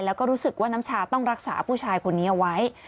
แล้วก็รู้สึกว่าน้ำชาต้องรักษาผู้ชายคนนี้เอาไว้